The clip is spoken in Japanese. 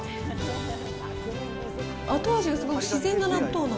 後味がすごく自然な納豆な。